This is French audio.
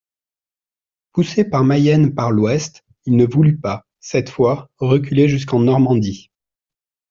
Poussé par Mayenne par l'ouest, il ne voulut pas, cette fois, reculer jusqu'en Normandie.